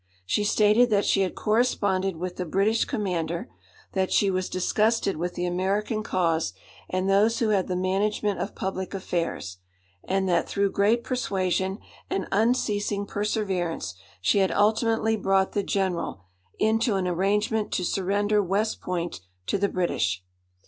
She stated that she had corresponded with the British commander; that she was disgusted with the American cause, and those who had the management of public affairs; and that, through great persuasion and unceasing perseverance, she had ultimately brought the General into an arrangement to surrender West Point to the British.